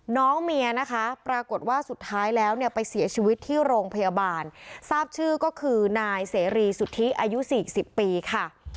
น้องเมียนะคะปรากฏว่าสุดท้ายแล้วเนี่ยไปเสียชีวิตที่โรงพยาบาลทราบชื่อก็คือนายเสรีสุทธิอายุ๔๐ปีค่ะ